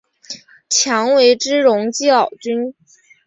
强为之容即老君。